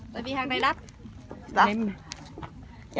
bởi vì hàng này đắt